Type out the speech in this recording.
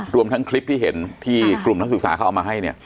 รวมทั้งคลิปที่เห็นที่กลุ่มนักศึกษาเขาเอามาให้เนี่ย